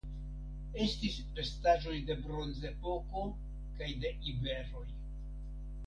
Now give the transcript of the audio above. Estis restaĵoj de Bronzepoko kaj de iberoj.